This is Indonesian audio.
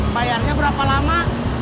bayarnya berapa lama